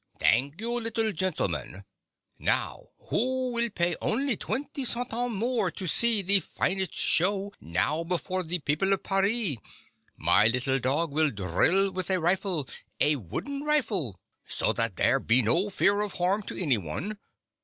" Thank you, little gentleman ! Now, who will pay only twenty centimes more to see the finest show now before the people of Paris ? My little dog will drill with a rifle — a wooden rifle, so that there be no fear of harm to any one.